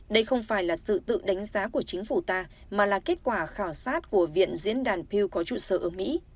đây không phải là sự tự đánh giá của chính phủ ta mà là kết quả khảo sát của viện diễn đàn piêu có trụ sở ở mỹ